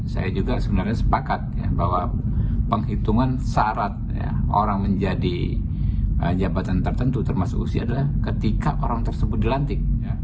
saya juga sebenarnya sepakat ya bahwa penghitungan syarat orang menjadi jabatan tertentu termasuk usia adalah ketika orang tersebut dilantik